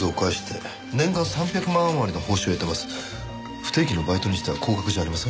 不定期のバイトにしては高額じゃありません？